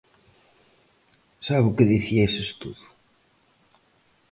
¿Sabe o que dicía ese estudo?